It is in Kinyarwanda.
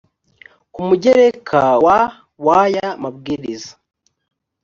ku mugereka wa w aya mabwiriza